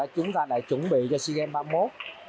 chúng ta đã chuẩn bị cho sea games ba mươi một